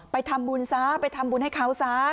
ไปทำบุญซะไปทำบุญให้เขาซะ